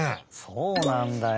そうなんだよ。